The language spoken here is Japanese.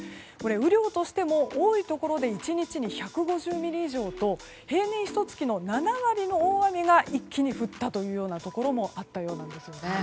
雨量としても多いところで１日に１５０ミリ以上と平年ひと月の７割の大雨が一気に降ったところもあったようです。